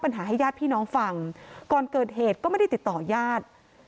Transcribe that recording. ให้ญาติพี่น้องฟังก่อนเกิดเหตุก็ไม่ได้ติดต่อญาติ